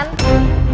ini ga ada ringtone